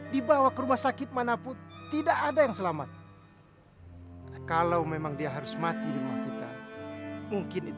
dan saya gak pernah seperti ini